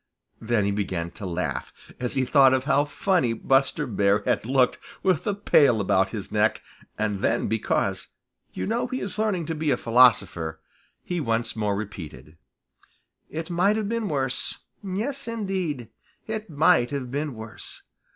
Then he began to laugh, as he thought of how funny Buster Bear had looked with the pail about his neck, and then because, you know he is learning to be a philosopher, he once more repeated, "It might have been worse. Yes, indeed, it might have been worse.